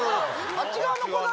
あっち側の子だね。